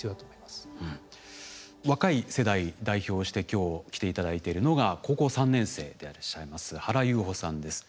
若い世代を代表して今日来ていただいているのが高校３年生でいらっしゃいます原有穂さんです。